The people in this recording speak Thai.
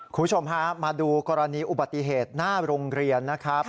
คุณผู้ชมฮะมาดูกรณีอุบัติเหตุหน้าโรงเรียนนะครับ